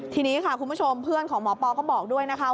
ทีนี้ค่ะคุณผู้ชมเพื่อนของหมอปอก็บอกด้วยนะคะ